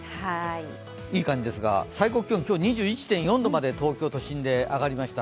いい感じですが、最高気温今日、２１．４度まで東京都心で上がりました。